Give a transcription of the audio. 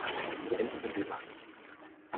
Elle se débat.